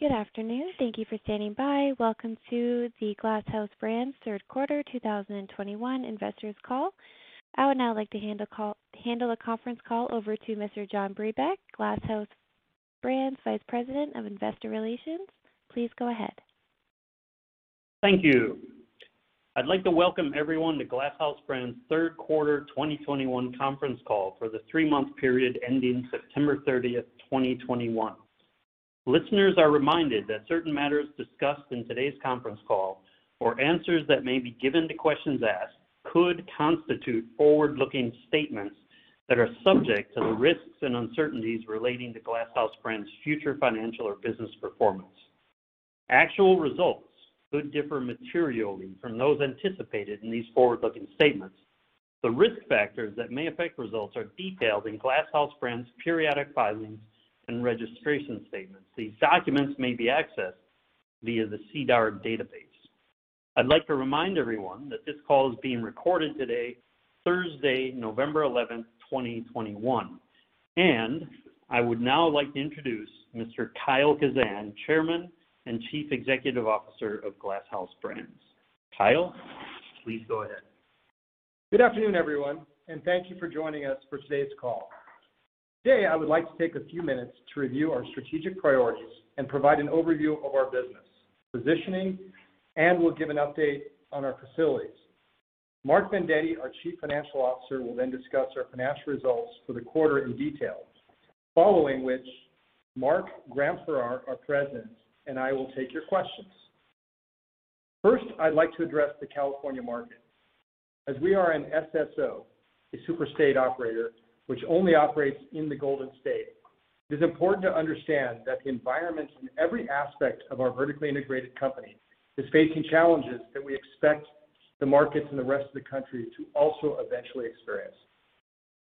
Good afternoon. Thank you for standing by. Welcome to the Glass House Brands Third Quarter 2021 Investors Call. I would now like to handle the conference call over to Mr. John Brebeck, Glass House Brands Vice President of Investor Relations. Please go ahead. Thank you. I'd like to welcome everyone to Glass House Brands Q3 2021 Conference Call for the three-month period ending September 30th, 2021. Listeners are reminded that certain matters discussed in today's conference call or answers that may be given to questions asked could constitute forward-looking statements that are subject to the risks and uncertainties relating to Glass House Brands future financial or business performance. Actual results could differ materially from those anticipated in these forward-looking statements. The risk factors that may affect results are detailed in Glass House Brands periodic filings and registration statements. These documents may be accessed via the SEDAR database. I'd like to remind everyone that this call is being recorded today, Thursday, November 11th, 2021. I would now like to introduce Mr. Kyle Kazan, Chairman and Chief Executive Officer of Glass House Brands. Kyle, please go ahead. Good afternoon, everyone, and thank you for joining us for today's call. Today, I would like to take a few minutes to review our strategic priorities and provide an overview of our business, positioning, and we'll give an update on our facilities. Mark Vendetti, our Chief Financial Officer, will then discuss our financial results for the quarter in detail. Following which, Graham Farrar, our President, and I will take your questions. First, I'd like to address the California market. As we are an SSO, a super state operator, which only operates in the Golden State, it is important to understand that the environment in every aspect of our vertically integrated company is facing challenges that we expect the markets in the rest of the country to also eventually experience.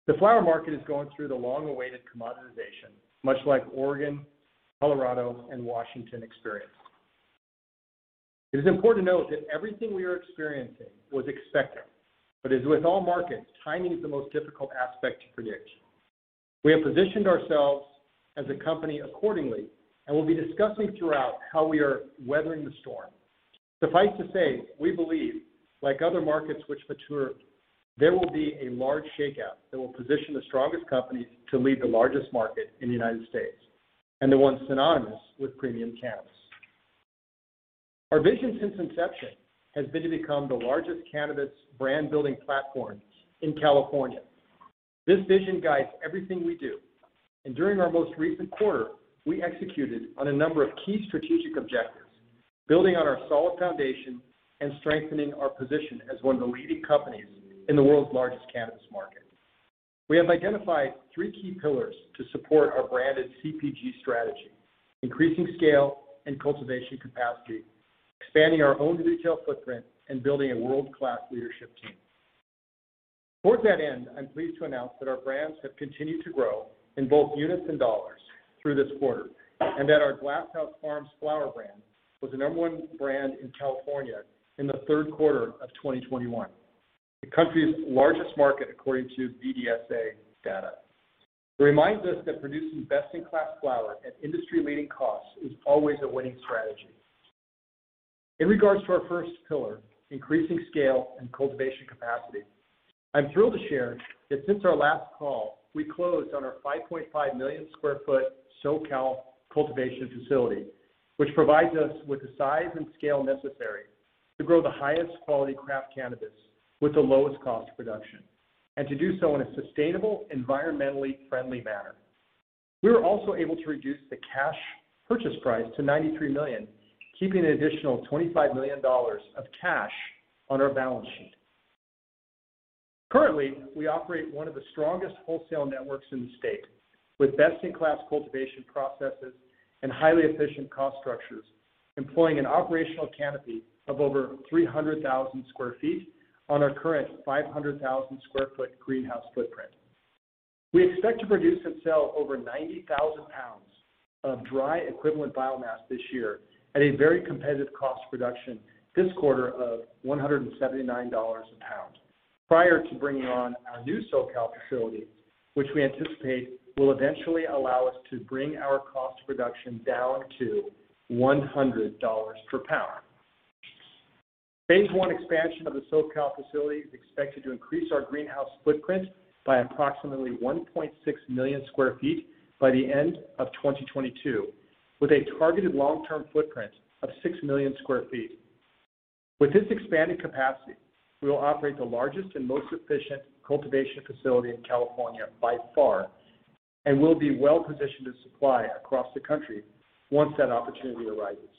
The flower market is going through the long-awaited commoditization, much like Oregon, Colorado, and Washington experienced. It is important to note that everything we are experiencing was expected, but as with all markets, timing is the most difficult aspect to predict. We have positioned ourselves as a company accordingly, and we'll be discussing throughout how we are weathering the storm. Suffice to say, we believe, like other markets which mature, there will be a large shakeout that will position the strongest companies to lead the largest market in the United States and the one synonymous with premium cannabis. Our vision since inception has been to become the largest cannabis brand-building platform in California. This vision guides everything we do, and during our most recent quarter, we executed on a number of key strategic objectives, building on our solid foundation and strengthening our position as one of the leading companies in the world's largest cannabis market. We have identified three key pillars to support our branded CPG strategy, increasing scale and cultivation capacity, expanding our own retail footprint and building a world-class leadership team. Towards that end, I'm pleased to announce that our brands have continued to grow in both units and dollars through this quarter, and that our Glass House Farms flower brand was the number one brand in California in the third quarter of 2021, the country's largest market, according to BDSA data. It reminds us that producing best-in-class flower at industry-leading costs is always a winning strategy. In regards to our first pillar, increasing scale and cultivation capacity, I'm thrilled to share that since our last call, we closed on our 5.5 million sq ft SoCal cultivation facility, which provides us with the size and scale necessary to grow the highest quality craft cannabis with the lowest cost production, and to do so in a sustainable, environmentally friendly manner. We were also able to reduce the cash purchase price to $93 million, keeping an additional $25 million of cash on our balance sheet. Currently, we operate one of the strongest wholesale networks in the state, with best-in-class cultivation processes and highly efficient cost structures, employing an operational canopy of over 300,000 sq ft on our current 500,000 sq ft greenhouse footprint. We expect to produce and sell over 90,000 pounds of dry equivalent biomass this year at a very competitive cost reduction this quarter of $179 a pound. Prior to bringing on our new SoCal facility, which we anticipate will eventually allow us to bring our cost reduction down to $100 per pound. Phase I expansion of the SoCal facility is expected to increase our greenhouse footprint by approximately 1.6 million sq ft by the end of 2022, with a targeted long-term footprint of 6 million sq ft. With this expanded capacity, we will operate the largest and most efficient cultivation facility in California by far, and we'll be well-positioned to supply across the country once that opportunity arises.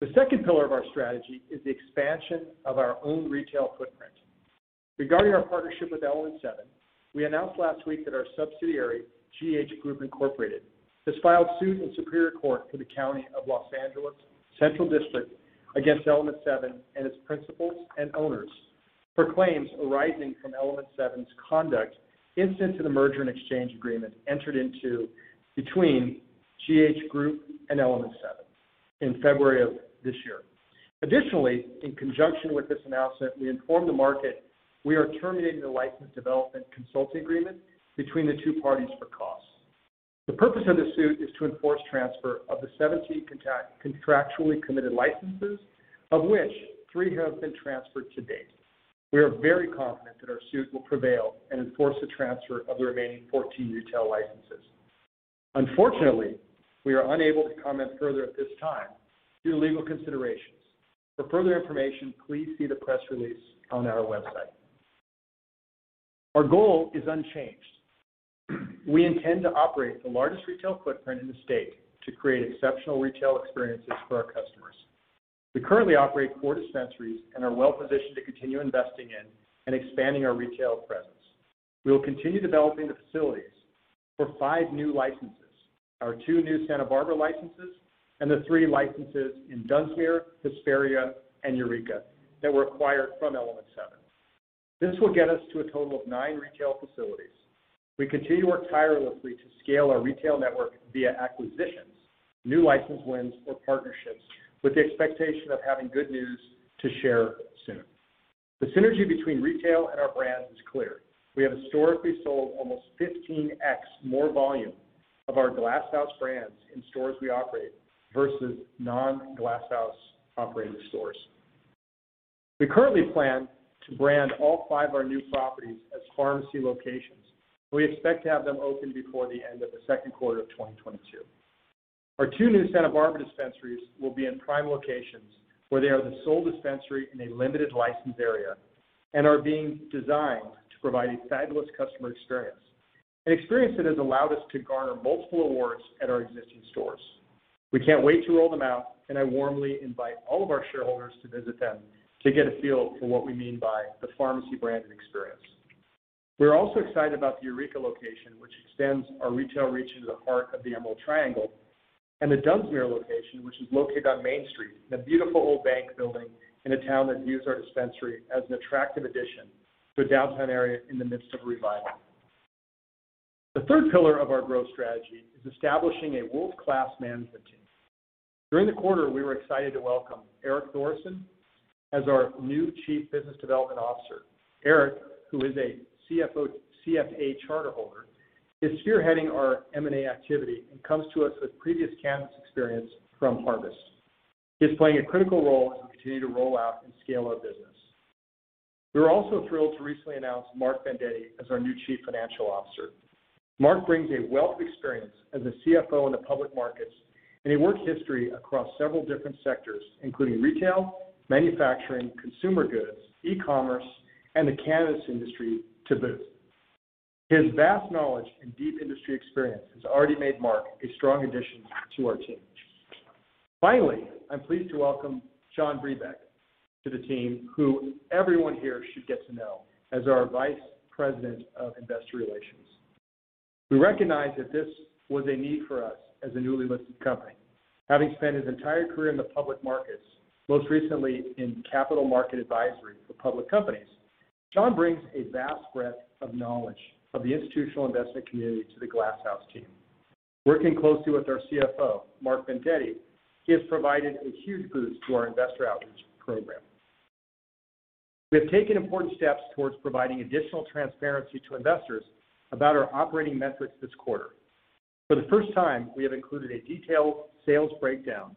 The second pillar of our strategy is the expansion of our own retail footprint. Regarding our partnership with Element 7, we announced last week that our subsidiary, GH Group Inc., has filed suit in Superior Court for the County of Los Angeles Central District against Element 7 and its principals and owners for claims arising from Element 7's conduct incident to the merger and exchange agreement entered into between GH Group Inc. and Element 7 in February of this year. Additionally, in conjunction with this announcement, we informed the market we are terminating the license development consulting agreement between the two parties for cause. The purpose of the suit is to enforce transfer of the 17 contractually committed licenses, of which three have been transferred to date. We are very confident that our suit will prevail and enforce the transfer of the remaining 14 retail licenses. Unfortunately, we are unable to comment further at this time due to legal considerations. For further information, please see the press release on our website. Our goal is unchanged. We intend to operate the largest retail footprint in the state to create exceptional retail experiences for our customers. We currently operate four dispensaries and are well-positioned to continue investing in and expanding our retail presence. We will continue developing the facilities for five new licenses, our two new Santa Barbara licenses, and the three licenses in Dunsmuir, Hesperia, and Eureka that were acquired from Element 7. This will get us to a total of nine retail facilities. We continue to work tirelessly to scale our retail network via acquisitions, new license wins, or partnerships with the expectation of having good news to share soon. The synergy between retail and our brands is clear. We have historically sold almost 15x more volume of our Glass House Brands in stores we operate versus non-Glass House Brands-operated stores. We currently plan to brand all five of our new properties as Farmacy locations. We expect to have them open before the end of the second quarter of 2022. Our two new Santa Barbara dispensaries will be in prime locations, where they are the sole dispensary in a limited license area and are being designed to provide a fabulous customer experience, an experience that has allowed us to garner multiple awards at our existing stores. We can't wait to roll them out, and I warmly invite all of our shareholders to visit them to get a feel for what we mean by the Farmacy brand and experience. We're also excited about the Eureka location, which extends our retail reach into the heart of the Emerald Triangle, and the Dunsmuir location, which is located on Main Street in a beautiful old bank building in a town that views our dispensary as an attractive addition to a downtown area in the midst of revival. The third pillar of our growth strategy is establishing a world-class management team. During the quarter, we were excited to welcome Erik W. Thoresen as our new Chief Business Development Officer. Erik, who is a CFA charterholder, is spearheading our M&A activity and comes to us with previous cannabis experience from Harvest. He's playing a critical role as we continue to roll out and scale our business. We were also thrilled to recently announce Mark Vendetti as our new Chief Financial Officer. Mark brings a wealth of experience as a CFO in the public markets, and a work history across several different sectors, including retail, manufacturing, consumer goods, e-commerce, and the cannabis industry to boot. His vast knowledge and deep industry experience has already made Mark a strong addition to our team. Finally, I'm pleased to welcome John Brebeck to the team, who everyone here should get to know as our Vice President of Investor Relations. We recognize that this was a need for us as a newly listed company. Having spent his entire career in the public markets, most recently in capital market advisory for public companies, John Brebeck brings a vast breadth of knowledge of the institutional investment community to the Glass House team. Working closely with our CFO, Mark Vendetti, he has provided a huge boost to our investor outreach program. We have taken important steps towards providing additional transparency to investors about our operating metrics this quarter. For the first time, we have included a detailed sales breakdown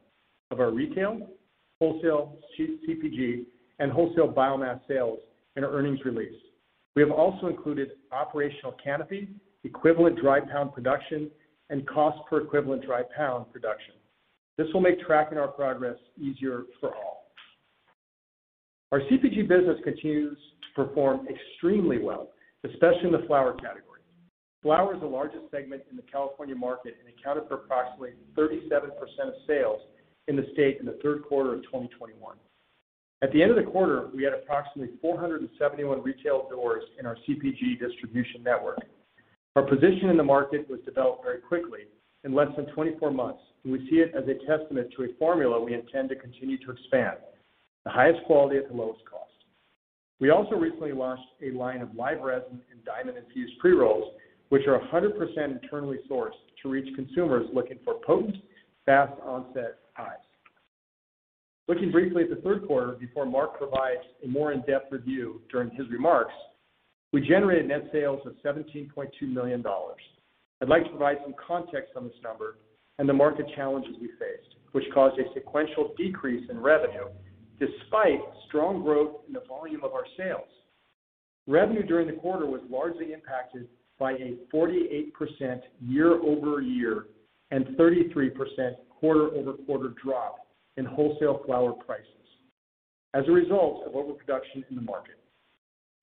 of our retail, wholesale CPG, and wholesale biomass sales in our earnings release. We have also included operational canopy, equivalent dry pound production, and cost per equivalent dry pound production. This will make tracking our progress easier for all. Our CPG business continues to perform extremely well, especially in the flower category. Flower is the largest segment in the California market and accounted for approximately 37% of sales in the state in the third quarter of 2021. At the end of the quarter, we had approximately 471 retail doors in our CPG distribution network. Our position in the market was developed very quickly in less than 24 months, and we see it as a testament to a formula we intend to continue to expand, the highest quality at the lowest cost. We also recently launched a line of live resin and diamond-infused pre-rolls, which are 100% internally sourced to reach consumers looking for potent, fast onset highs. Looking briefly at the third quarter before Mark provides a more in-depth review during his remarks, we generated net sales of $17.2 million. I'd like to provide some context on this number and the market challenges we faced, which caused a sequential decrease in revenue despite strong growth in the volume of our sales. Revenue during the quarter was largely impacted by a 48% year-over-year and 33% quarter-over-quarter drop in wholesale flower prices as a result of overproduction in the market.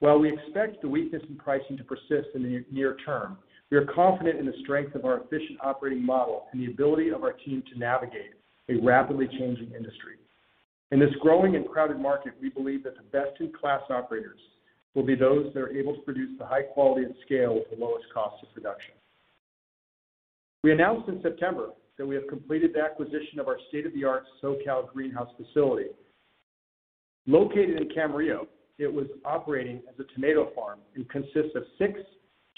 While we expect the weakness in pricing to persist in the near-term, we are confident in the strength of our efficient operating model and the ability of our team to navigate a rapidly changing industry. In this growing and crowded market, we believe that the best-in-class operators will be those that are able to produce the high quality and scale with the lowest cost of production. We announced in September that we have completed the acquisition of our state-of-the-art SoCal greenhouse facility. Located in Camarillo, it was operating as a tomato farm and consists of six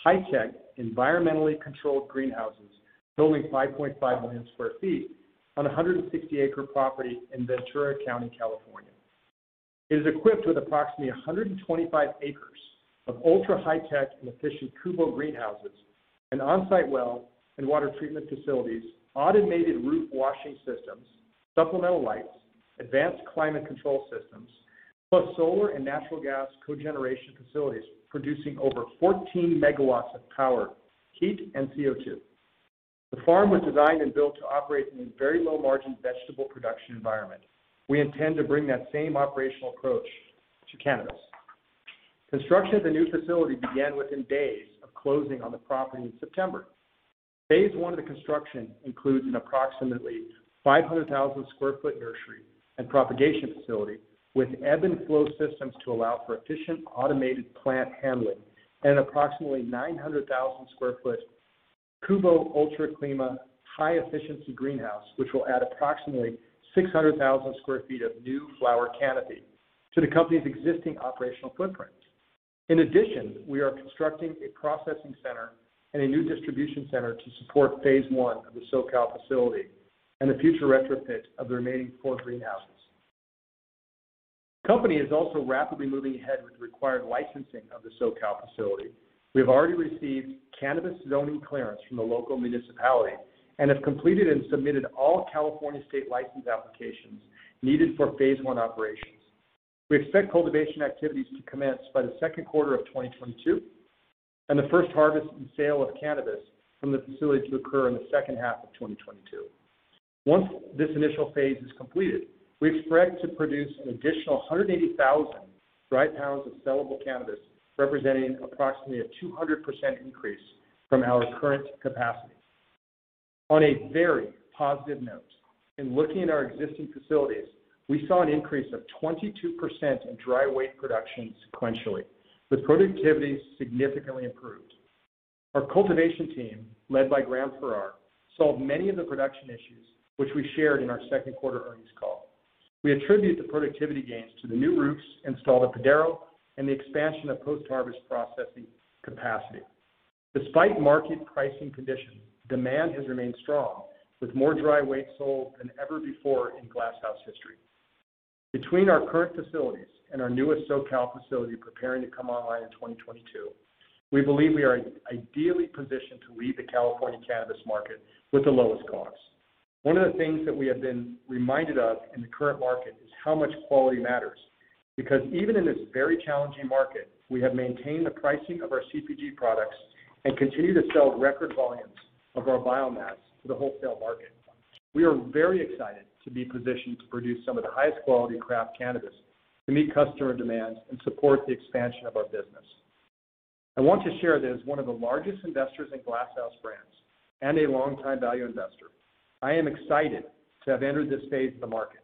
high-tech, environmentally controlled greenhouses totaling 5.5 million sq ft on a 160-acre property in Ventura County, California. It is equipped with approximately 125 acres of ultra high-tech and efficient KUBO greenhouses, an on-site well, and water treatment facilities, automated roof washing systems, supplemental lights, advanced climate control systems, plus solar and natural gas cogeneration facilities producing over 14 MW of power, heat, and CO2. The farm was designed and built to operate in a very low-margin vegetable production environment. We intend to bring that same operational approach to cannabis. Construction of the new facility began within days of closing on the property in September. Phase one of the construction includes an approximately 500,000-sq ft nursery and propagation facility with ebb and flow systems to allow for efficient automated plant handling and an approximately 900,000-sq ft KUBO Ultra-Clima high-efficiency greenhouse, which will add approximately 600,000 sq ft of new flower canopy to the company's existing operational footprint. In addition, we are constructing a processing center and a new distribution center to support phase one of the SoCal facility and the future retrofit of the remaining four greenhouses. The company is also rapidly moving ahead with the required licensing of the SoCal facility. We have already received cannabis zoning clearance from the local municipality and have completed and submitted all California state license applications needed for phase one operations. We expect cultivation activities to commence by the second quarter of 2022, and the first harvest and sale of cannabis from the facility to occur in the second half of 2022. Once this initial phase is completed, we expect to produce an additional 180,000 dry pounds of sellable cannabis, representing approximately a 200% increase from our current capacity. On a very positive note, in looking at our existing facilities, we saw an increase of 22% in dry weight production sequentially, with productivity significantly improved. Our cultivation team, led by Graham Farrar, solved many of the production issues which we shared in our second quarter earnings call. We attribute the productivity gains to the new roofs installed at Padaro and the expansion of post-harvest processing capacity. Despite market pricing conditions, demand has remained strong, with more dry weight sold than ever before in Glass House history. Between our current facilities and our newest SoCal facility preparing to come online in 2022, we believe we are ideally positioned to lead the California cannabis market with the lowest costs. One of the things that we have been reminded of in the current market is how much quality matters. Because even in this very challenging market, we have maintained the pricing of our CPG products and continue to sell record volumes of our biomass to the wholesale market. We are very excited to be positioned to produce some of the highest quality craft cannabis to meet customer demands and support the expansion of our business. I want to share that as one of the largest investors in Glass House Brands and a longtime value investor, I am excited to have entered this phase of the market.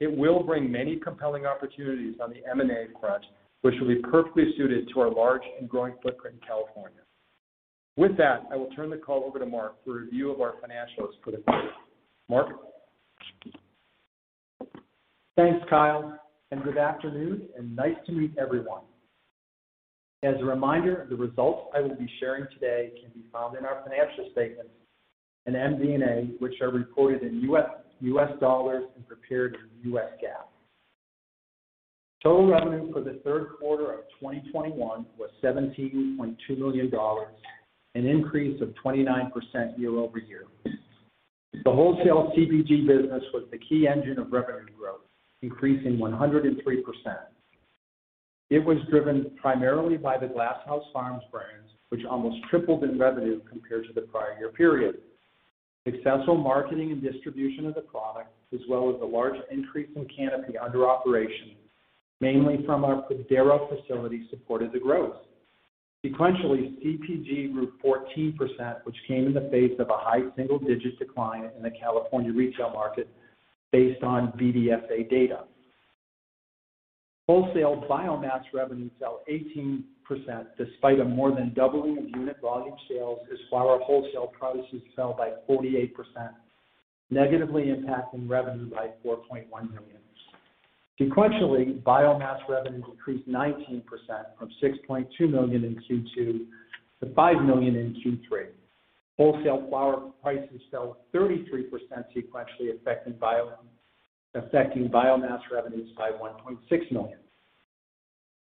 It will bring many compelling opportunities on the M&A front, which will be perfectly suited to our large and growing footprint in California. With that, I will turn the call over to Mark for a review of our financials for the quarter. Mark? Thanks, Kyle, and good afternoon, and nice to meet everyone. As a reminder, the results I will be sharing today can be found in our financial statements and MD&A, which are reported in U.S. dollars and prepared in U.S. GAAP. Total revenue for the third quarter of 2021 was $17.2 million, an increase of 29% year over year. The wholesale CPG business was the key engine of revenue growth, increasing 103%. It was driven primarily by the Glass House Farms brands, which almost tripled in revenue compared to the prior year period. Successful marketing and distribution of the products, as well as the large increase in canopy under operation, mainly from our Padaro facility, supported the growth. Sequentially, CPG grew 14%, which came in the face of a high single-digit decline in the California retail market based on BDSA data. Wholesale biomass revenue fell 18% despite a more than doubling of unit volume sales as flower wholesale prices fell by 48%, negatively impacting revenue by $4.1 million. Sequentially, biomass revenue decreased 19% from $6.2 million in Q2 to $5 million in Q3. Wholesale flower prices fell 33% sequentially, affecting biomass revenues by $1.6 million.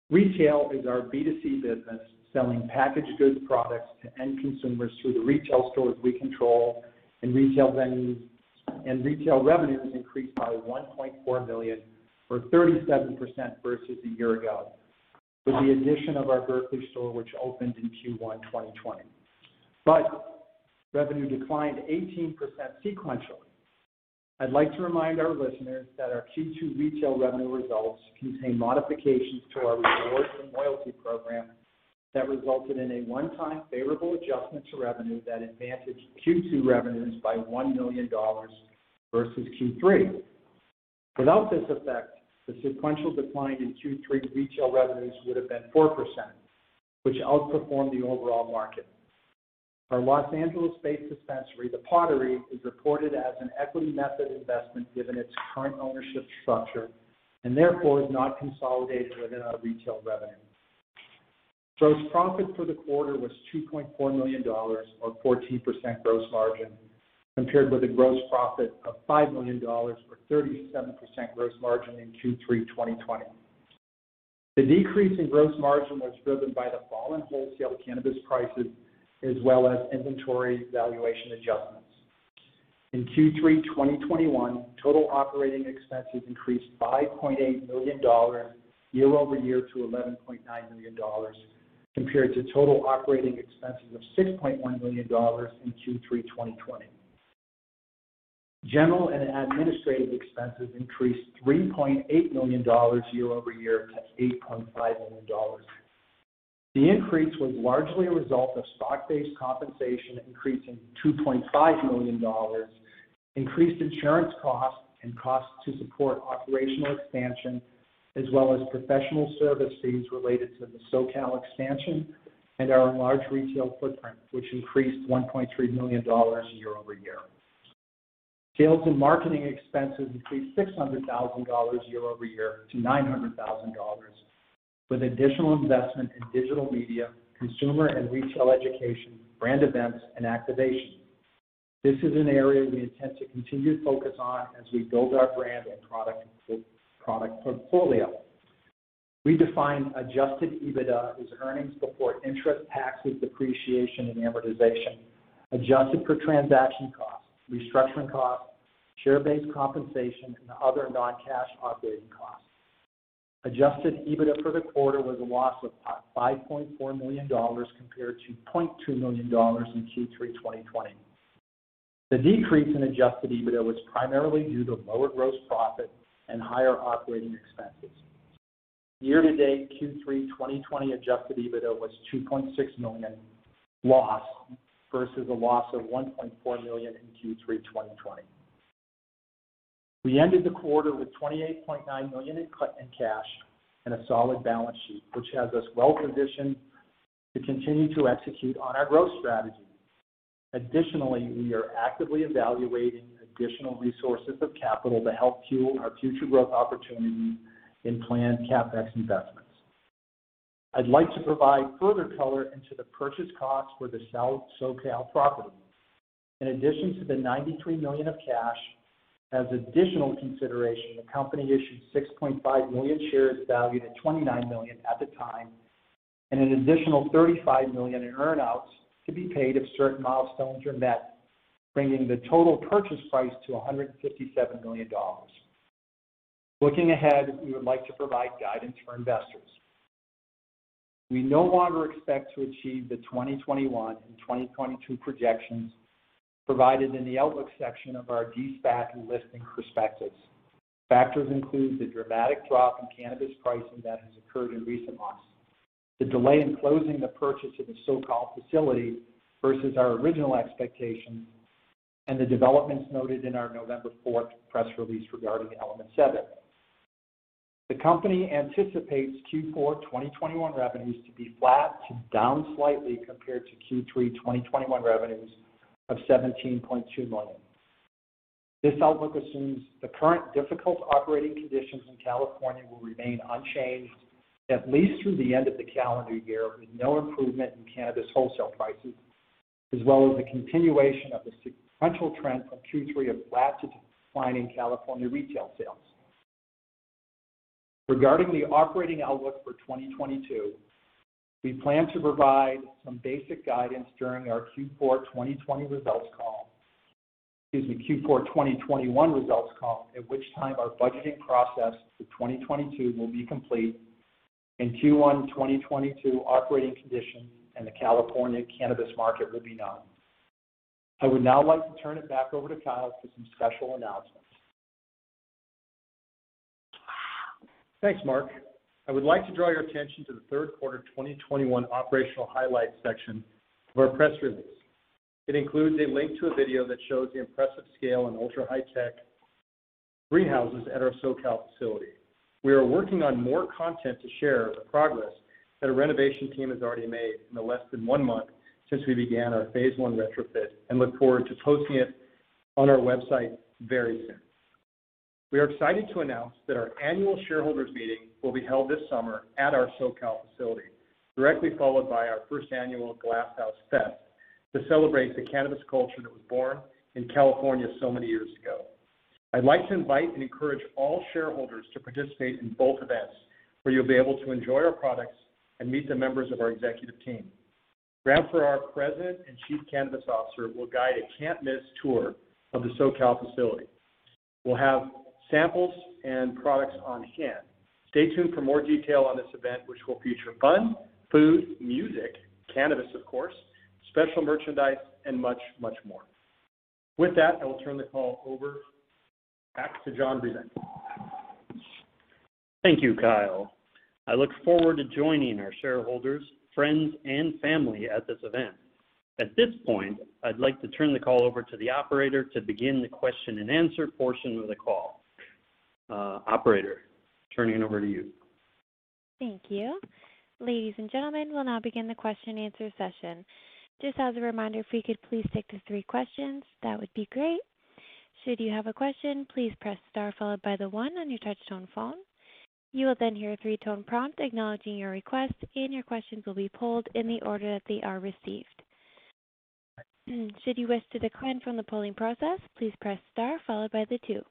Retail is our B2C business, selling packaged goods products to end consumers through the retail stores we control and retail venues. Retail revenues increased by $1.4 million, or 37% versus a year ago, with the addition of our Berkeley store, which opened in Q1 2020. Revenue declined 18% sequentially. I'd like to remind our listeners that our Q2 retail revenue results contain modifications to our rewards and loyalty program that resulted in a one-time favorable adjustment to revenue that advantaged Q2 revenues by $1 million versus Q3. Without this effect, the sequential decline in Q3 retail revenues would have been 4%, which outperformed the overall market. Our Los Angeles-based dispensary, The Pottery, is reported as an equity method investment given its current ownership structure and therefore is not consolidated within our retail revenue. Gross profit for the quarter was $2.4 million or 14% gross margin, compared with a gross profit of $5 million or 37% gross margin in Q3 2020. The decrease in gross margin was driven by the fall in wholesale cannabis prices as well as inventory valuation adjustments. In Q3 2021, total operating expenses increased $5.8 million year-over-year to $11.9 million, compared to total operating expenses of $6.1 million in Q3 2020. General and administrative expenses increased $3.8 million year-over-year to $8.5 million. The increase was largely a result of stock-based compensation increasing $2.5 million, increased insurance costs and costs to support operational expansion, as well as professional service fees related to the SoCal expansion and our large retail footprint, which increased $1.3 million year-over-year. Sales and marketing expenses increased $600,000 year-over-year to $900,000, with additional investment in digital media, consumer and retail education, brand events, and activation. This is an area we intend to continue to focus on as we build our brand and product portfolio. We define adjusted EBITDA as earnings before interest, taxes, depreciation, and amortization, adjusted for transaction costs, restructuring costs, share-based compensation, and other non-cash operating costs. Adjusted EBITDA for the quarter was a loss of $5.4 million compared to $0.2 million in Q3 2020. The decrease in adjusted EBITDA was primarily due to lower gross profit and higher operating expenses. Year-to-date Q3 2020 adjusted EBITDA was a $2.6 million loss versus a loss of $1.4 million in Q3 2020. We ended the quarter with $28.9 million in cash and a solid balance sheet, which has us well-positioned to continue to execute on our growth strategy. Additionally, we are actively evaluating additional sources of capital to help fuel our future growth opportunities in planned CapEx investments. I'd like to provide further color into the purchase costs for the SoCal property. In addition to the $93 million of cash, as additional consideration, the company issued 6.5 million shares valued at $29 million at the time, and an additional $35 million in earn-outs to be paid if certain milestones are met, bringing the total purchase price to $157 million. Looking ahead, we would like to provide guidance for investors. We no longer expect to achieve the 2021 and 2022 projections provided in the outlook section of our de-SPAC listing prospectus. Factors include the dramatic drop in cannabis pricing that has occurred in recent months, the delay in closing the purchase of the SoCal facility versus our original expectations, and the developments noted in our November four press release regarding Element 7. The company anticipates Q4 2021 revenues to be flat to down slightly compared to Q3 2021 revenues of $17.2 million. This outlook assumes the current difficult operating conditions in California will remain unchanged at least through the end of the calendar year, with no improvement in cannabis wholesale prices, as well as the continuation of the sequential trend from Q3 of flat to declining California retail sales. Regarding the operating outlook for 2022, we plan to provide some basic guidance during our Q4 2020 results call. Excuse me, Q4 2021 results call, at which time our budgeting process for 2022 will be complete and Q1 2022 operating conditions in the California cannabis market will be known. I would now like to turn it back over to Kyle for some special announcements. Thanks, Mark. I would like to draw your attention to the third quarter 2021 operational highlights section of our press release. It includes a link to a video that shows the impressive scale and ultra-high-tech greenhouses at our SoCal facility. We are working on more content to share the progress that our renovation team has already made in the less than one month since we began our phase one retrofit and look forward to posting it on our website very soon. We are excited to announce that our annual shareholders meeting will be held this summer at our SoCal facility, directly followed by our first annual Glass House Fest to celebrate the cannabis culture that was born in California so many years ago. I'd like to invite and encourage all shareholders to participate in both events, where you'll be able to enjoy our products and meet the members of our executive team. Graham Farrar, President and Chief Cannabis Officer, will guide a can't-miss tour of the SoCal facility. We'll have samples and products on-hand. Stay tuned for more detail on this event, which will feature fun, food, music, cannabis, of course, special merchandise, and much, much more. With that, I will turn the call over, back to John Brebeck. Thank you, Kyle. I look forward to joining our shareholders, friends, and family at this event. At this point, I'd like to turn the call over to the operator to begin the question-and-answer portion of the call. Operator, turning it over to you. Thank you. Ladies and gentlemen, we'll now begin the question and answer session. Just as a reminder, if you could please stick to three questions, that would be great. Should you have a question, please press star followed by the one on your touch-tone phone. You will then hear a three-tone prompt acknowledging your request, and your questions will be queued in the order that they are received. Should you wish to decline from the polling process, please press star followed by the two.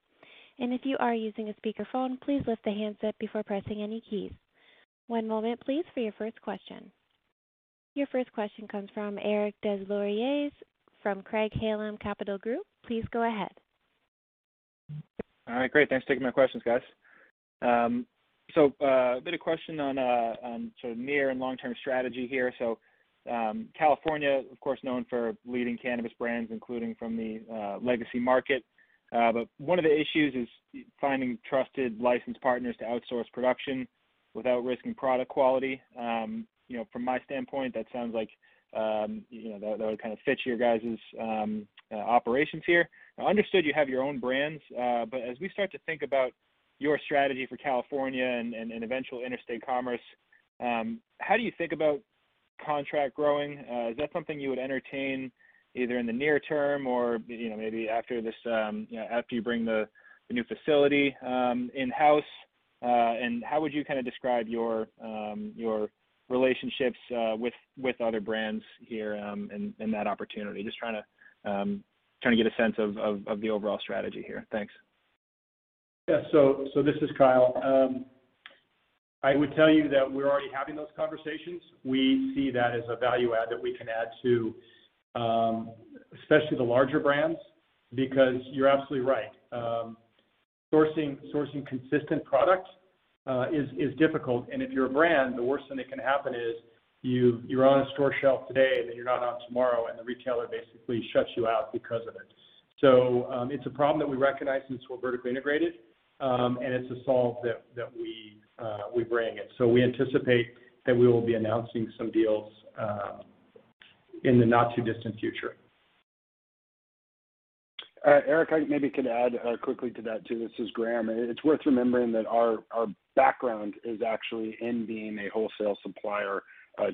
If you are using a speakerphone, please lift the handset before pressing any keys. One moment please for your first question. Your first question comes from Eric Des Lauriers from Craig-Hallum Capital Group. Please go ahead. All right, great. Thanks for taking my questions, guys. A bit of question on sort of near and long-term strategy here. California, of course, known for leading cannabis brands, including from the legacy market. One of the issues is finding trusted licensed partners to outsource production without risking product quality. You know, from my standpoint, that sounds like, you know, that would kind of fit your guys' operations here. I understood you have your own brands, but as we start to think about your strategy for California and eventual interstate commerce, how do you think about contract growing? Is that something you would entertain either in the near term or, you know, maybe after this, you know, after you bring the new facility in-house, and how would you kind of describe your relationships with other brands here in that opportunity? Just trying to get a sense of the overall strategy here. Thanks. Yeah. This is Kyle. I would tell you that we're already having those conversations. We see that as a value add that we can add to, especially the larger brands, because you're absolutely right. Sourcing consistent product is difficult. If you're a brand, the worst thing that can happen is you're on a store shelf today, and then you're not on tomorrow, and the retailer basically shuts you out because of it. It's a problem that we recognize since we're vertically integrated, and it's a solve that we bring. We anticipate that we will be announcing some deals in the not too distant future. Eric, I maybe could add quickly to that too. This is Graham. It's worth remembering that our background is actually in being a wholesale supplier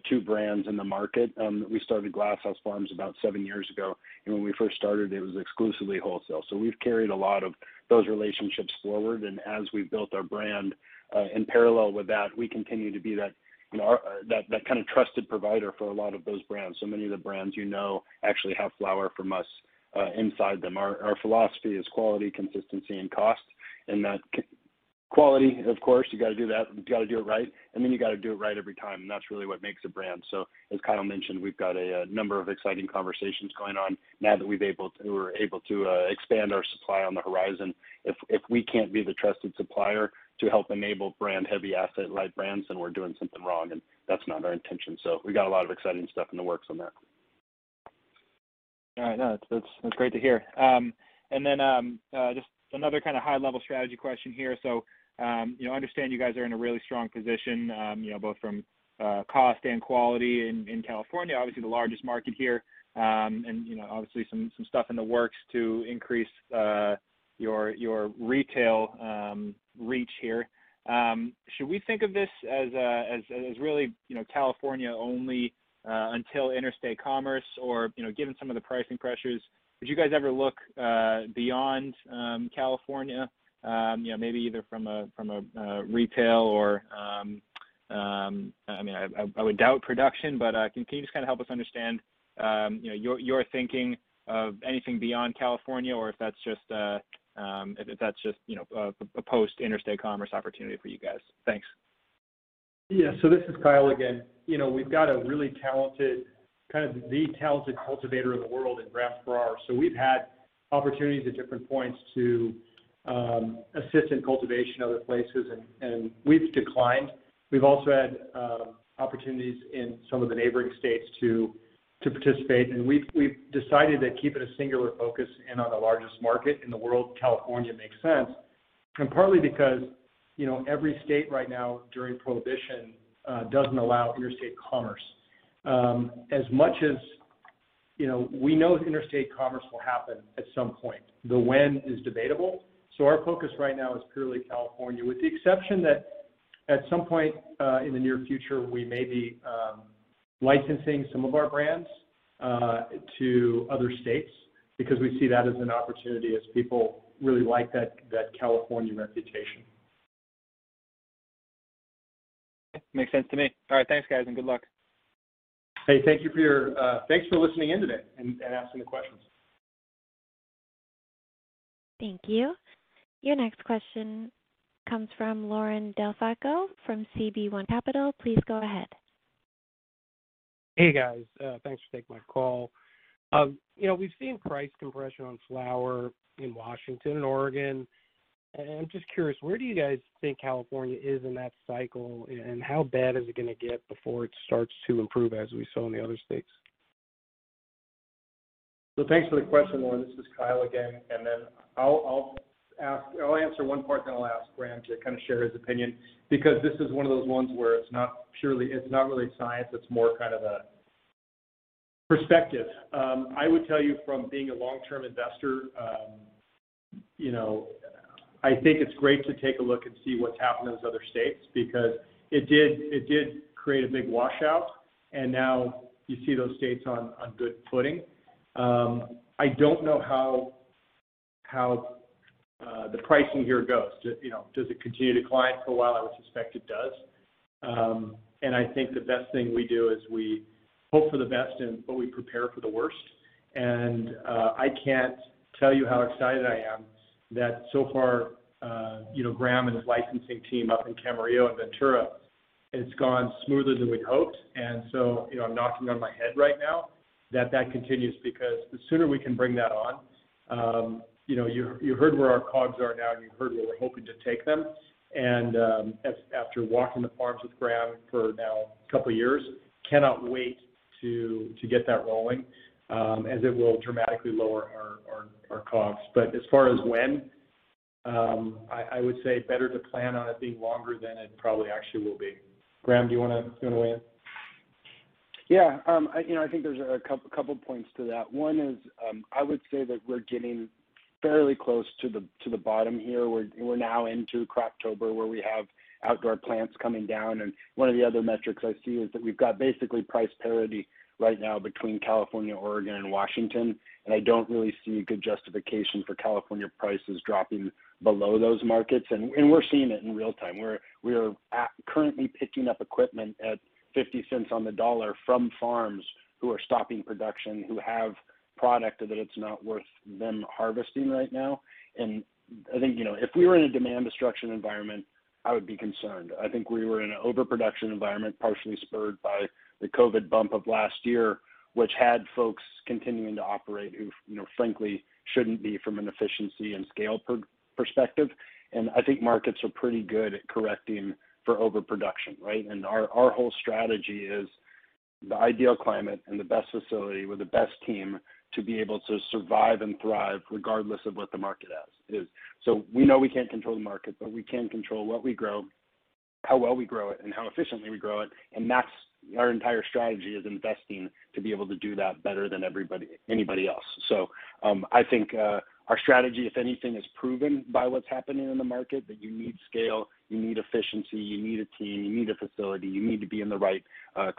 to brands in the market. We started Glass House Farms about seven years ago, and when we first started, it was exclusively wholesale. We've carried a lot of those relationships forward, and as we've built our brand in parallel with that, we continue to be that, you know, that kind of trusted provider for a lot of those brands. Many of the brands you know actually have flower from us inside them. Our philosophy is quality, consistency, and cost. That quality, of course, you gotta do that. You gotta do it right, and then you gotta do it right every time. That's really what makes a brand. As Kyle mentioned, we've got a number of exciting conversations going on now that we're able to expand our supply on the horizon. If we can't be the trusted supplier to help enable brand heavy asset light brands, then we're doing something wrong, and that's not our intention. We got a lot of exciting stuff in the works on that. All right. No, that's great to hear. Just another kind of high level strategy question here. You know, I understand you guys are in a really strong position, you know, both from cost and quality in California, obviously the largest market here. You know, obviously some stuff in the works to increase your retail reach here. Should we think of this as really, you know, California only until interstate commerce? Or, you know, given some of the pricing pressures, would you guys ever look beyond California, you know, maybe either from a retail or I mean, I would doubt production, but can you just kinda help us understand, you know, your thinking of anything beyond California or if that's just, you know, a post interstate commerce opportunity for you guys? Thanks. Yeah. This is Kyle again. You know, we've got a really talented, kind of the talented cultivator in the world in Graham Farrar. We've had opportunities at different points to assist in cultivation other places, and we've declined. We've also had opportunities in some of the neighboring states to participate, and we've decided that keeping a singular focus in on the largest market in the world, California, makes sense. Partly because, you know, every state right now during prohibition doesn't allow interstate commerce. As much as, you know, we know that interstate commerce will happen at some point, the when is debatable. Our focus right now is purely California, with the exception that at some point in the near future, we may be licensing some of our brands to other states because we see that as an opportunity as people really like that California reputation. Makes sense to me. All right. Thanks, guys, and good luck. Hey, thank you for your, thanks for listening in today and asking the questions. Thank you. Your next question comes from Loren DeFalco from CB1 Capital. Please go ahead. Hey, guys. Thanks for taking my call. You know, we've seen price compression on flower in Washington and Oregon, and I'm just curious, where do you guys think California is in that cycle? How bad is it gonna get before it starts to improve as we saw in the other states? Thanks for the question, Loren. This is Kyle again. I'll answer one part, then I'll ask Graham to kind of share his opinion because this is one of those ones where it's not surely. It's more kind of a perspective. I would tell you from being a long-term investor, you know, I think it's great to take a look and see what's happened in those other states because it did create a big washout, and now you see those states on good footing. I don't know how the pricing here goes. You know, does it continue to decline for a while? I would suspect it does. I think the best thing we do is we hope for the best, but we prepare for the worst. I can't tell you how excited I am that so far, you know, Graham and his licensing team up in Camarillo and Ventura, it's gone smoother than we'd hoped. You know, I'm knocking on wood right now that that continues because the sooner we can bring that on, you know, you heard where our COGS are now, and you've heard where we're hoping to take them. After walking the farms with Graham for now a couple of years, cannot wait to get that rolling, as it will dramatically lower our costs. As far as when, I would say better to plan on it being longer than it probably actually will be. Graham, do you wanna weigh in? Yeah. You know, I think there's a couple points to that. One is, I would say that we're getting fairly close to the bottom here. We're now into Croptober, where we have outdoor plants coming down. One of the other metrics I see is that we've got basically price parity right now between California, Oregon, and Washington, and I don't really see a good justification for California prices dropping below those markets. We're seeing it in real-time. We are currently picking up equipment at 50 cents on the dollar from farms who are stopping production, who have product that it's not worth them harvesting right now. I think, you know, if we were in a demand destruction environment, I would be concerned. I think we were in an overproduction environment, partially spurred by the COVID bump of last year, which had folks continuing to operate who, you know, frankly shouldn't be from an efficiency and scale perspective. I think markets are pretty good at correcting for overproduction, right? Our whole strategy is the ideal climate and the best facility with the best team to be able to survive and thrive regardless of what the market has, is. We know we can't control the market, but we can control what we grow, how well we grow it, and how efficiently we grow it, and that's our entire strategy is investing to be able to do that better than everybody, anybody else. I think our strategy, if anything, is proven by what's happening in the market, that you need scale, you need efficiency, you need a team, you need a facility, you need to be in the right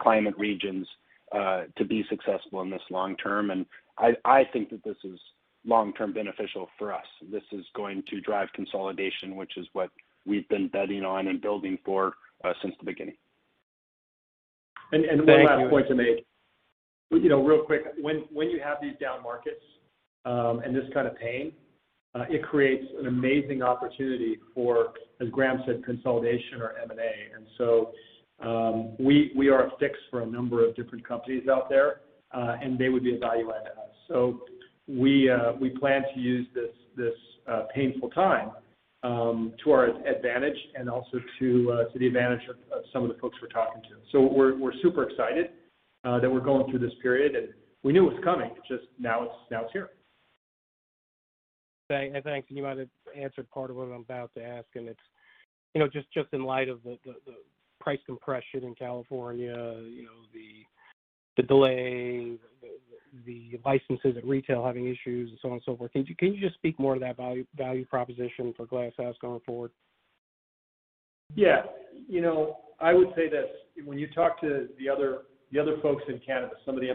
climate regions to be successful in this long term. I think that this is long-term beneficial for us. This is going to drive consolidation, which is what we've been betting on and building for since the beginning. One last point to make. You know, real quick. When you have these down markets and this kind of pain, it creates an amazing opportunity for, as Graham said, consolidation or M&A. We are a fix for a number of different companies out there, and they would add value to us. We plan to use this painful time to our advantage and also to the advantage of some of the folks we're talking to. We're super excited that we're going through this period, and we knew it was coming, just now it's here. Thanks. You might have answered part of what I'm about to ask, and it's, you know, just in light of the price compression in California, you know, the delay, the licenses at retail having issues and so on and so forth. Can you just speak more to that value proposition for Glass House going forward? Yeah. You know, I would say that when you talk to the other folks in Canada, some of the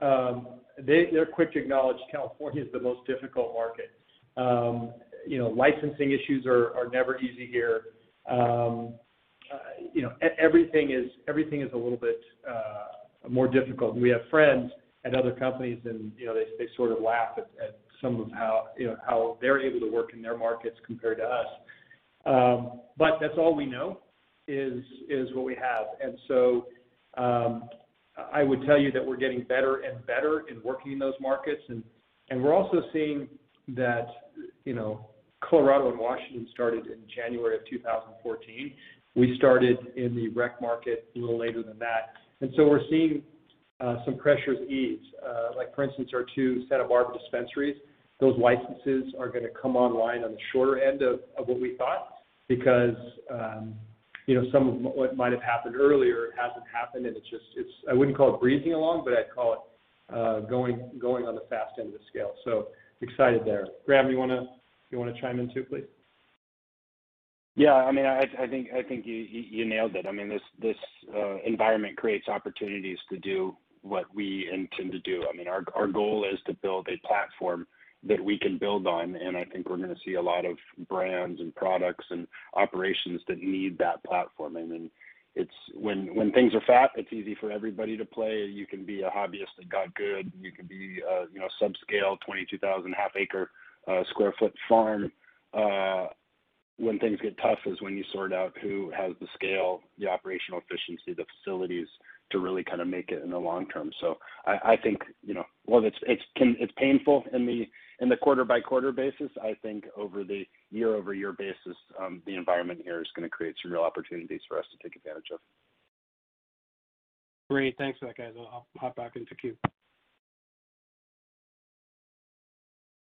MSOs, they're quick to acknowledge California is the most difficult market. You know, licensing issues are never easy here. You know, everything is a little bit more difficult. We have friends at other companies and, you know, they sort of laugh at some of how, you know, how they're able to work in their markets compared to us. But that's all we know is what we have. I would tell you that we're getting better and better in working in those markets. We're also seeing that, you know, Colorado and Washington started in January of 2014. We started in the rec market a little later than that. We're seeing some pressures ease. Like for instance, our two Santa Barbara dispensaries, those licenses are gonna come online on the shorter end of what we thought because you know, some of what might have happened earlier hasn't happened, and it's just, I wouldn't call it breezing along, but I'd call it going on the fast end of the scale. Excited there. Graham, you wanna chime in too, please? Yeah. I mean, I think you nailed it. I mean, this environment creates opportunities to do what we intend to do. I mean, our goal is to build a platform that we can build on, and I think we're gonna see a lot of brands and products and operations that need that platform. I mean, it's when things are fat, it's easy for everybody to play. You can be a hobbyist that got good. You can be, you know, subscale, 22,000 half-acre sq ft farm. When things get tough is when you sort out who has the scale, the operational efficiency, the facilities to really kind of make it in the long term. I think, you know, while it's painful in the quarter-by-quarter basis. I think over the year-over-year basis, the environment here is gonna create some real opportunities for us to take advantage of. Great. Thanks for that, guys. I'll hop back into queue.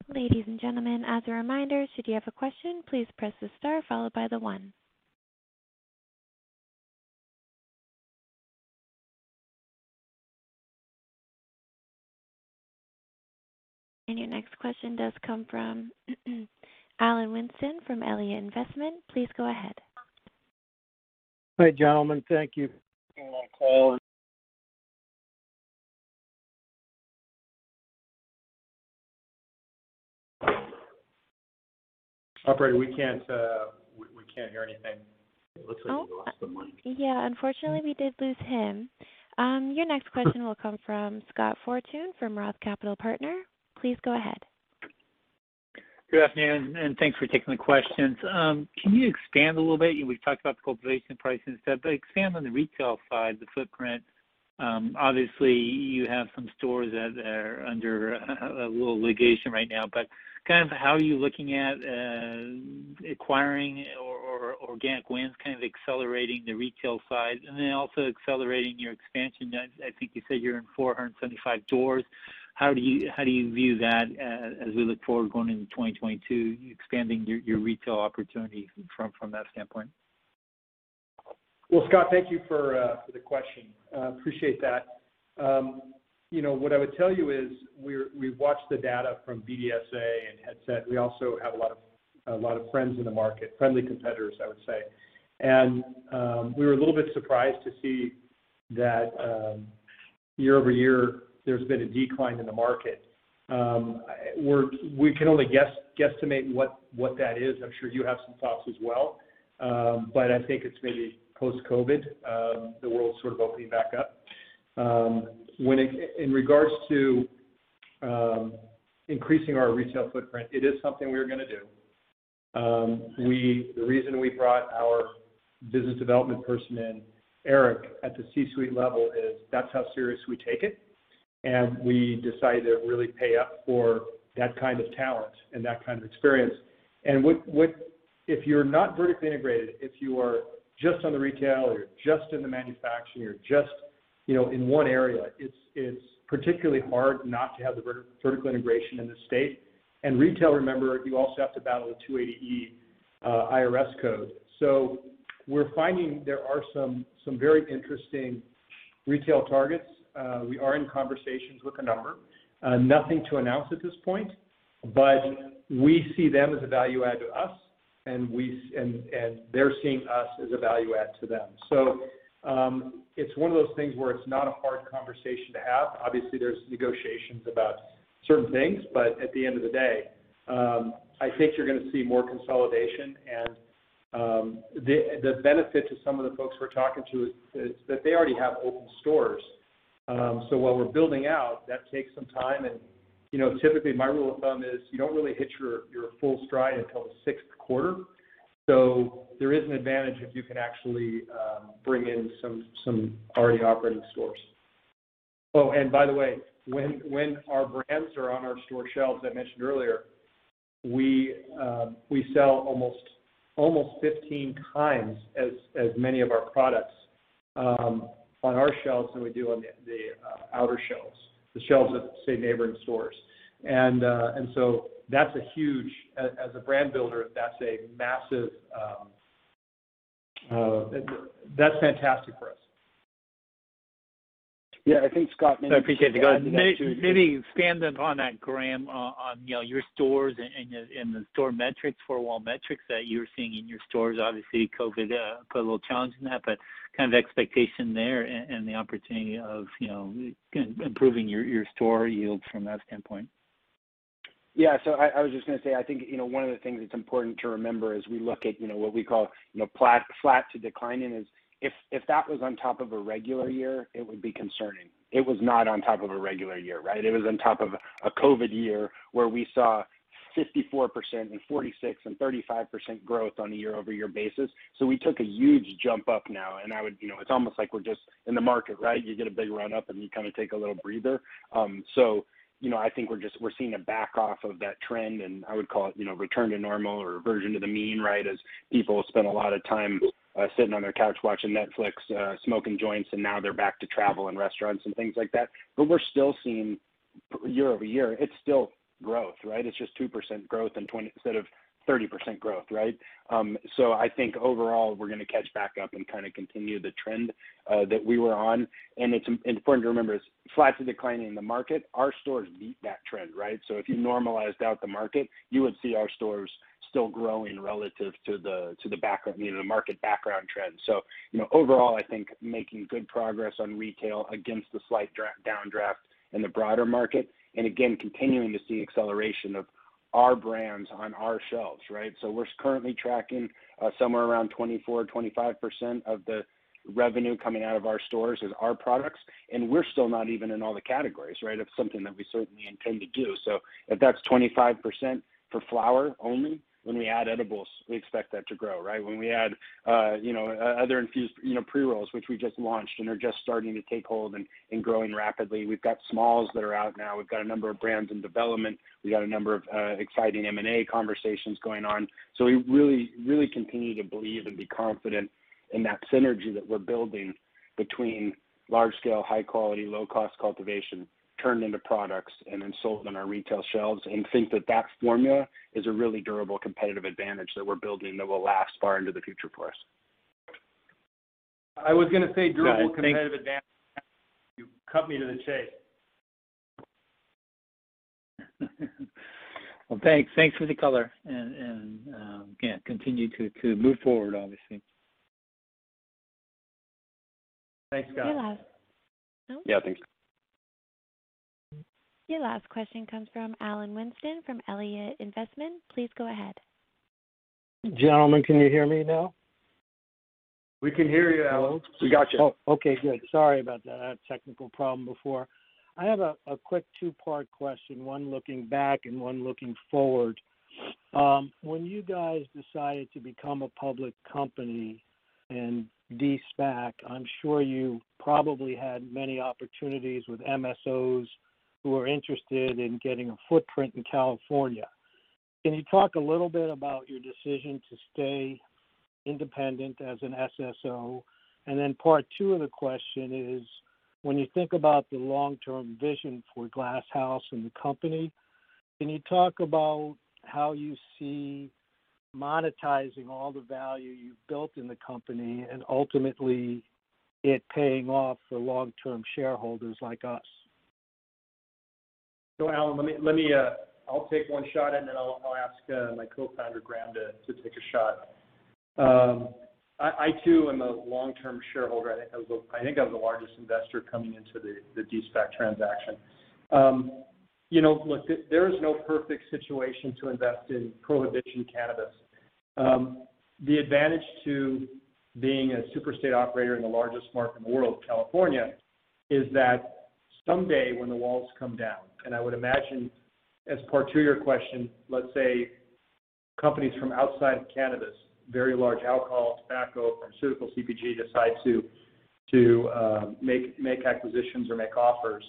Ladies and gentlemen, as a reminder, should you have a question, please press star one. Your next question does come from Alan Winston from Elliott Investment Management. Please go ahead. Operator, we can't hear anything. It looks like we lost the mic. Yeah. Unfortunately, we did lose him. Your next question will come from Scott Fortune from Roth Capital Partners. Please go ahead. Good afternoon, and thanks for taking the questions. Can you expand a little bit? We've talked about the cultivation prices, but expand on the retail side, the footprint. Obviously you have some stores that are under a little litigation right now, but kind of how are you looking at acquiring or organic wins, kind of accelerating the retail side and then also accelerating your expansion? I think you said you're in 475 doors. How do you view that as we look forward going into 2022, expanding your retail opportunity from that standpoint? Well, Scott, thank you for the question. I appreciate that. You know, what I would tell you is we've watched the data from BDSA and Headset. We also have a lot of friends in the market, friendly competitors, I would say. We were a little bit surprised to see that year-over-year, there's been a decline in the market. We can only guesstimate what that is. I'm sure you have some thoughts as well. But I think it's maybe post-COVID, the world sort of opening back up. In regards to increasing our retail footprint, it is something we're gonna do. We... The reason we brought our business development person in, Eric, at the C-suite level is that's how serious we take it, and we decided to really pay up for that kind of talent and that kind of experience. If you're not vertically integrated, if you are just on the retail, or you're just in the manufacturing, or you're just, you know, in one area, it's particularly hard not to have the vertical integration in the state. Retail, remember, you also have to battle the 280E IRS code. We're finding there are some very interesting retail targets. We are in conversations with a number. Nothing to announce at this point, but we see them as a value add to us, and they're seeing us as a value add to them. It's one of those things where it's not a hard conversation to have. Obviously, there's negotiations about certain things. At the end of the day, I think you're gonna see more consolidation. The benefit to some of the folks we're talking to is that they already have open stores. While we're building out, that takes some time. You know, typically, my rule of thumb is you don't really hit your full stride until the sixth quarter. There is an advantage if you can actually bring in some already operating stores. Oh, and by the way, when our brands are on our store shelves, I mentioned earlier, we sell almost 15 times as many of our products on our shelves than we do on the outer shelves, the shelves of, say, neighboring stores. That's a huge. As a brand builder, that's a massive, that's fantastic for us. Yeah. I think Scott mentioned. I appreciate the guidance. Maybe expand upon that, Graham, on you know, your stores and the store metrics, four-wall metrics that you're seeing in your stores. Obviously, COVID put a little challenge in that, but kind of the expectation there and the opportunity of, you know, improving your store yields from that standpoint. Yeah. I was just gonna say, I think, you know, one of the things that's important to remember as we look at, you know, what we call, you know, flat to declining is if that was on top of a regular year, it would be concerning. It was not on top of a regular year, right? It was on top of a COVID year where we saw 54% and 46% and 35% growth on a year-over-year basis. We took a huge jump up now. You know, it's almost like we're just in the market, right? You get a big run up, and you kind of take a little breather. You know, I think we're seeing a back off of that trend, and I would call it, you know, return to normal or reversion to the mean, right? As people spend a lot of time sitting on their couch watching Netflix, smoking joints, and now they're back to travel and restaurants and things like that. We're still seeing year-over-year, it's still growth, right? It's just 2% growth instead of 30% growth, right? I think overall, we're gonna catch back up and kinda continue the trend that we were on. It's important to remember it's flat to declining in the market. Our stores beat that trend, right? If you normalized out the market, you would see our stores still growing relative to the background, you know, the market background trend. You know, overall, I think making good progress on retail against the slight downdraft in the broader market, and again, continuing to see acceleration of our brands on our shelves, right? We're currently tracking somewhere around 24% or 25% of the revenue coming out of our stores is our products, and we're still not even in all the categories, right? It's something that we certainly intend to do. If that's 25% for flower only, when we add edibles, we expect that to grow, right? When we add, you know, other infused, you know, pre-rolls, which we just launched and are just starting to take hold and growing rapidly. We've got smalls that are out now. We've got a number of brands in development. We've got a number of exciting M&A conversations going on. We really, really continue to believe and be confident in that synergy that we're building between large scale, high quality, low cost cultivation turned into products and then sold on our retail shelves, and think that that formula is a really durable competitive advantage that we're building that will last far into the future for us. I was gonna say durable- No, I think. Competitive advantage. You cut to the chase. Well, thanks. Thanks for the color and yeah, continue to move forward, obviously. Thanks, Scott. Your last? No? Yeah, thanks. Your last question comes from Alan Winston from Elliott Investment. Please go ahead. Gentlemen, can you hear me now? We can hear you, Alan. Hello. We got you. Oh, okay, good. Sorry about that technical problem before. I have a quick two-part question, one looking back and one looking forward. When you guys decided to become a public company and de-SPAC, I'm sure you probably had many opportunities with MSOs who are interested in getting a footprint in California. Can you talk a little bit about your decision to stay independent as an SSO? And then part two of the question is, when you think about the long-term vision for Glass House Brands and the company, can you talk about how you see monetizing all the value you've built in the company and ultimately it paying off for long-term shareholders like us? Alan, I'll take one shot and then I'll ask my co-founder, Graham, to take a shot. I too am a long-term shareholder. I think I was the largest investor coming into the de-SPAC transaction. You know, look, there is no perfect situation to invest in prohibition cannabis. The advantage to being a super state operator in the largest market in the world, California, is that someday when the walls come down, and I would imagine as part two of your question, let's say companies from outside of cannabis, very large alcohol, tobacco, pharmaceutical CPG, decide to make acquisitions or make offers.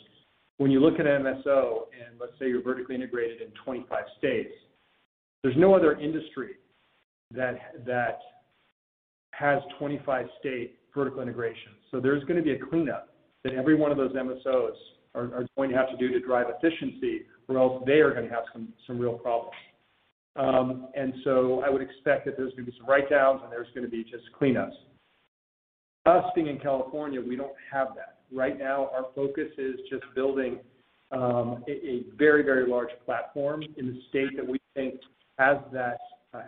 When you look at MSO and let's say you're vertically integrated in 25 states, there's no other industry that has 25-state vertical integration. There's gonna be a cleanup that every one of those MSOs are going to have to do to drive efficiency or else they are gonna have some real problems. I would expect that there's gonna be some write-downs and there's gonna be just cleanups. Us being in California, we don't have that. Right now, our focus is just building a very, very large platform in the state that we think has that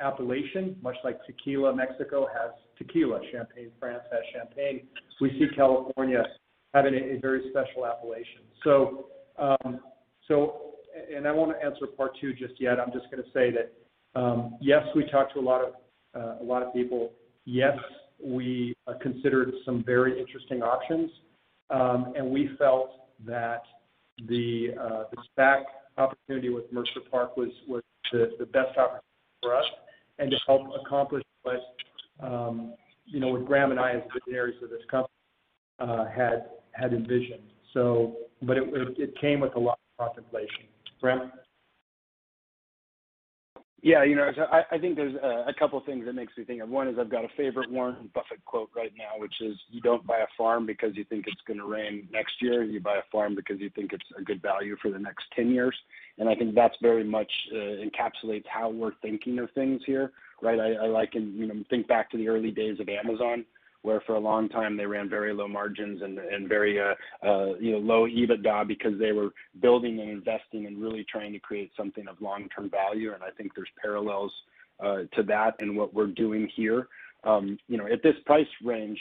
appellation, much like Tequila, Mexico has tequila, Champagne, France has champagne. We see California having a very special appellation. I won't answer part two just yet. I'm just gonna say that, yes, we talked to a lot of people. Yes, we considered some very interesting options. We felt that the SPAC opportunity with Mercer Park was the best opportunity for us and to help accomplish what, you know, what Graham and I as visionaries of this company had envisioned. But it came with a lot of contemplation. Graham? Yeah. You know, so I think there's a couple things that makes me think. One is, I've got a favorite Warren Buffett quote right now, which is, "You don't buy a farm because you think it's gonna rain next year. You buy a farm because you think it's a good value for the next 10 years." I think that very much encapsulates how we're thinking of things here, right? I liken, you know, think back to the early days of Amazon, where for a long time they ran very low margins and very, you know, low EBITDA because they were building and investing and really trying to create something of long-term value. I think there's parallels to that in what we're doing here. You know, at this price range,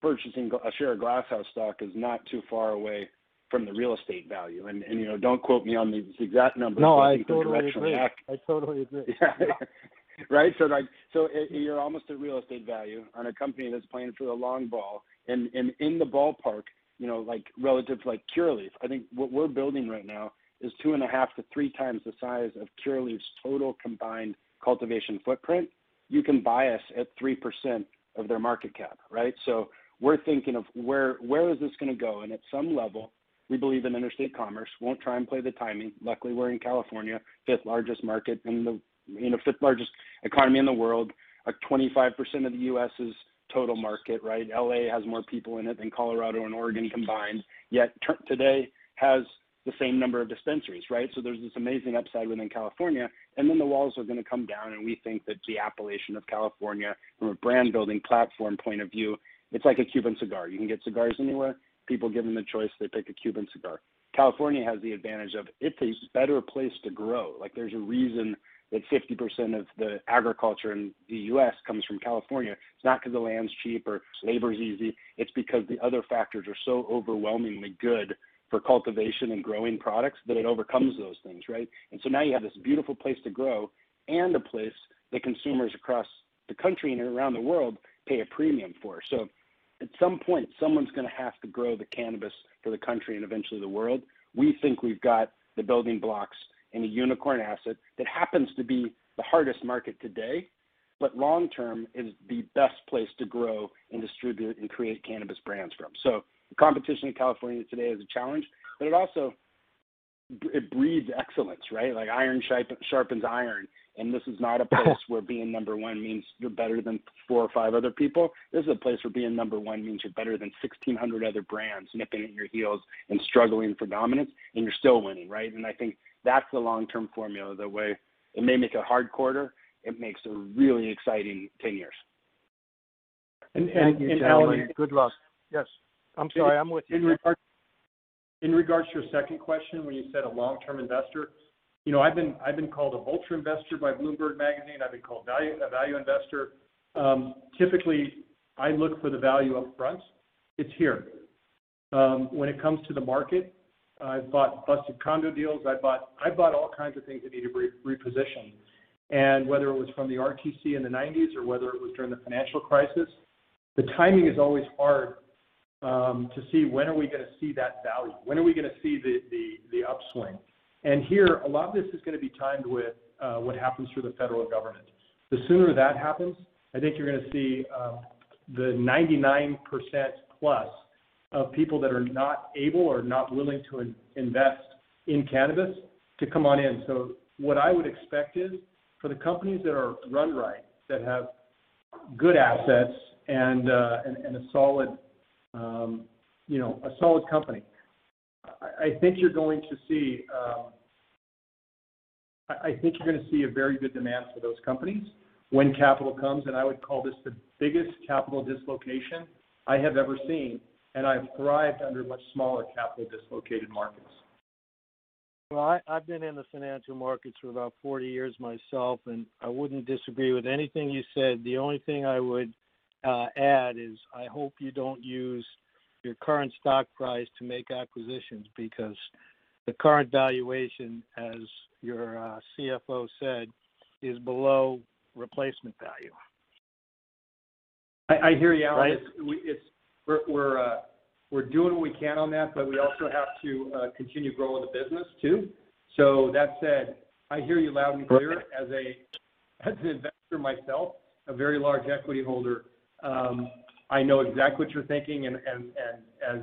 purchasing a share of Glass House Brands stock is not too far away from the real estate value. You know, don't quote me on the exact numbers. No, I totally agree. I think it's a directional act. I totally agree. Yeah. Right? You're almost at real estate value on a company that's playing for the long ball. In the ballpark, you know, like relative to, like, Curaleaf, I think what we're building right now is 2.5x-3x the size of Curaleaf's total combined cultivation footprint. You can buy us at 3% of their market cap, right? We're thinking of where this is gonna go? At some level, we believe in interstate commerce. Won't try and play the timing. Luckily, we're in California, fifth largest market in the fifth largest economy in the world. Like, 25% of the U.S.' total market, right? L.A. has more people in it than Colorado and Oregon combined, yet today has the same number of dispensaries, right? There's this amazing upside within California, and then the walls are gonna come down, and we think that the appellation of California from a brand building platform point of view, it's like a Cuban cigar. You can get cigars anywhere. People, given the choice, they pick a Cuban cigar. California has the advantage of it's a better place to grow. Like, there's a reason that 50% of the agriculture in the U.S. comes from California. It's not 'cause the land's cheap or labor's easy. It's because the other factors are so overwhelmingly good for cultivation and growing products that it overcomes those things, right? Now you have this beautiful place to grow and a place that consumers across the country and around the world pay a premium for. At some point, someone's gonna have to grow the cannabis for the country and eventually the world. We think we've got the building blocks and a unicorn asset that happens to be the hardest market today, but long-term is the best place to grow and distribute and create cannabis brands from. The competition in California today is a challenge, but it also breeds excellence, right? Like iron sharpens iron. This is not a place where being number one means you're better than four or five other people. This is a place where being number one means you're better than 1,600 other brands nipping at your heels and struggling for dominance, and you're still winning, right? I think that's the long-term formula. The way it may make a hard quarter, it makes a really exciting 10 years. And, and Alan- Thank you, Graham. Good luck. Yes, I'm sorry. I'm with you. In regards to your second question, when you said a long-term investor, you know, I've been called a vulture investor by Bloomberg Magazine. I've been called a value investor. Typically, I look for the value up front. It's here. When it comes to the market, I've bought busted condo deals. I bought all kinds of things that need to reposition. Whether it was from the RTC in the 1990s or whether it was during the financial crisis, the timing is always hard to see. When are we gonna see that value? When are we gonna see the upswing? Here, a lot of this is gonna be timed with what happens through the federal government. The sooner that happens, I think you're gonna see the 99% plus of people that are not able or not willing to invest in cannabis to come on in. What I would expect is for the companies that are run right, that have good assets and a solid company, I think you're going to see a very good demand for those companies when capital comes, and I would call this the biggest capital dislocation I have ever seen, and I've thrived under much smaller capital dislocated markets. Well, I've been in the financial markets for about 40 years myself, and I wouldn't disagree with anything you said. The only thing I would add is I hope you don't use your current stock price to make acquisitions because the current valuation, as your CFO said, is below replacement value. I hear you, Alan. Right. We're doing what we can on that, but we also have to continue growing the business too. That said, I hear you loud and clear. Okay. As an investor myself, a very large equity holder, I know exactly what you're thinking, and as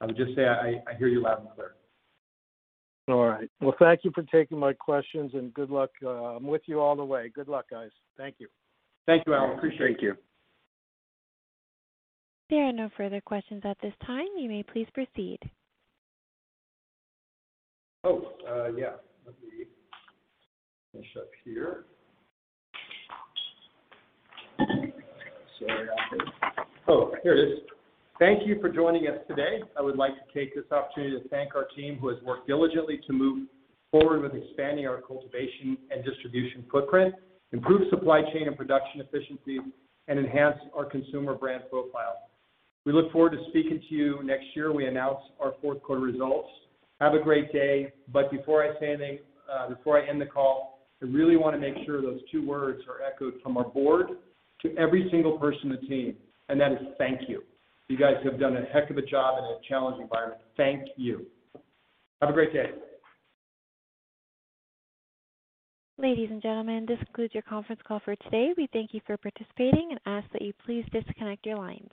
I would just say, I hear you loud and clear. All right. Well, thank you for taking my questions and good luck. I'm with you all the way. Good luck, guys. Thank you. Thank you, Alan. Appreciate you. Thank you. There are no further questions at this time. You may please proceed. Oh, yeah. Let me finish up here. Sorry. Oh, here it is. Thank you for joining us today. I would like to take this opportunity to thank our team, who has worked diligently to move forward with expanding our cultivation and distribution footprint, improve supply chain and production efficiency, and enhance our consumer brand profile. We look forward to speaking to you next year when we announce our fourth quarter results. Have a great day. Before I say anything, before I end the call, I really wanna make sure those two words are echoed from our board to every single person in the team, and that is thank you. You guys have done a heck of a job in a challenging environment. Thank you. Have a great day. Ladies and gentlemen, this concludes your conference call for today. We thank you for participating and ask that you please disconnect your lines.